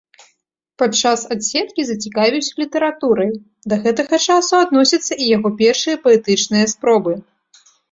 Падчас адседкі зацікавіўся літаратурай, да гэтага часу адносяцца і яго першыя паэтычныя спробы.